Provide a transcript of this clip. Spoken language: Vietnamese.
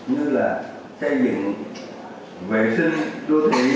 như là xây dựng vệ sinh